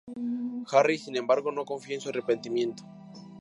Harry, sin embargo, no confía en su arrepentimiento.